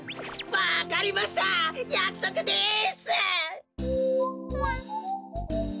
わかりましたやくそくです！